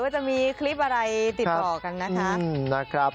จะมีคลิปอะไรติดต่อกันนะคะ